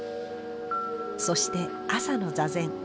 そして朝の座禅。